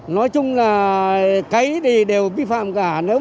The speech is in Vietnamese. nói chung là cái này đều vi phạm cả